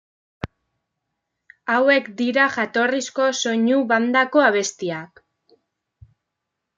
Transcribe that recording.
Hauek dira jatorrizko soinu bandako abestiak.